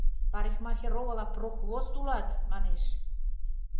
Парикмахер огыл, а прохвост улат! — манеш.